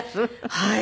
はい！